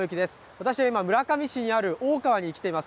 私は今、村上市にある大川に来ています。